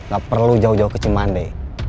gak perlu jauh jauh ke cimande